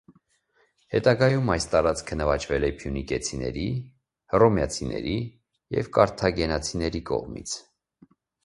Հետագայում այս տարածքը նվաճվել է փյունիկեցիների, հռոմեացիների և կարթագենացիների կողմից։